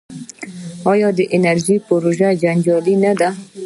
آیا د انرژۍ پروژې جنجالي نه دي؟